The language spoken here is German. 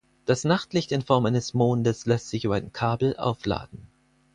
Das Nachtlicht in Form eines Mondes lässt sich über ein Kabel aufladen.